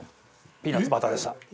ピーナッツバターでした。